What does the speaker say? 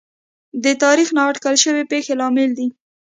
د تاریخ نااټکل شوې پېښې لامل دي.